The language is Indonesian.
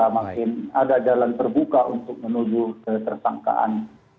makin ada jalan terbuka untuk menuju ke tersangkaan